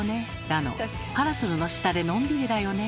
だの「パラソルの下でのんびりだよね」